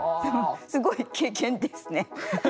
すごい経験ですね。